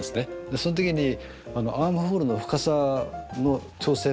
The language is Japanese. その時にアームホールの深さの調整もしながら。